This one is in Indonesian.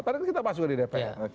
tadi kan kita masuk ke dpr